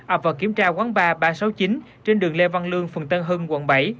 ập vào kiểm tra quán ba ba trăm sáu mươi chín trên đường lê văn lương phường tân hưng quận bảy